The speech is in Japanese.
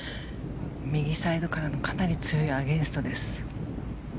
右サイドからのかなり強いアゲンストです。